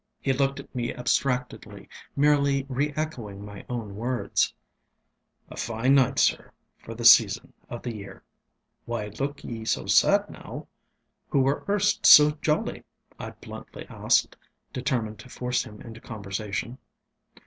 He looked at me abstractedly, merely re├½choing my own words, ŌĆ£A fine night, sir, for the season of the year. ŌĆØ ŌĆ£Why look ye so sad now, who were erst so jolly? ŌĆØ I bluntly asked, determined to force him into conversation.